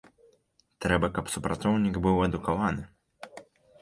Трэба, каб супрацоўнік быў адукаваны.